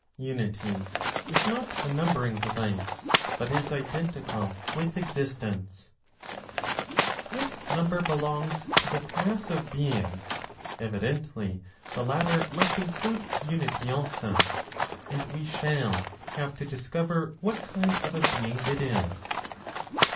UNITY IS NOT A NUMBERING DEVICE, BUT IS IDENTICAL WITH EXISTENCE. If number belongs to the class of beings, evidently the latter must include unity also; and we shall have to discover what kind of a being it is.